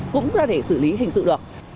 cũng có thể xử lý hình sự được